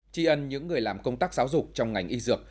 tri ân những người làm công tác giáo dục trong ngành y dược